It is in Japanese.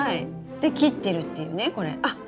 で切ってるっていうねこれ。